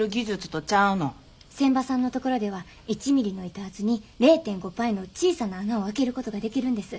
仙波さんのところでは１ミリの板厚に０．５パイの小さな孔を開けることができるんです。